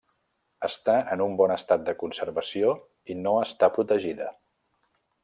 Està en un bon estat de conservació i no està protegida.